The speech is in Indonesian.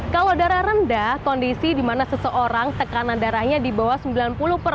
kalau darah rendah kondisi dimana seseorang tekanan darahnya di bawah sembilan puluh per enam puluh